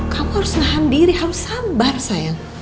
kamu harus nahan diri harus sabar saya